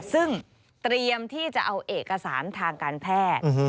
ซึ่งเตรียมที่จะเอาเอกสารทางการแพทย์